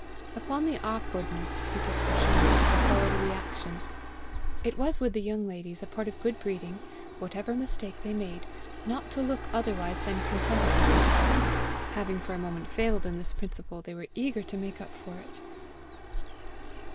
Upon the awkwardness he took for shyness, had followed a reaction. It was with the young ladies a part of good breeding, whatever mistake they made, not to look otherwise than contented with themselves: having for a moment failed in this principle, they were eager to make up for it.